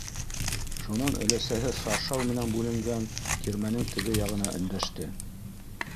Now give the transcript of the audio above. - Шунан өләсәһе шаршау менән бүленгән тирмәнең теге яғына өндәште.